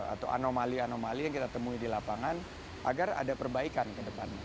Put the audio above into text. atau anomali anomali yang kita temui di lapangan agar ada perbaikan ke depannya